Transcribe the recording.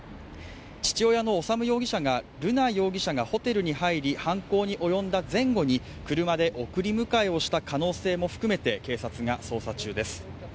父親の修容疑者が瑠奈容疑者がホテルに入り、犯行に及んだ前後に車で送り迎えした可能性も含めて警察が捜査中です。